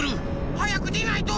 はやくでないと。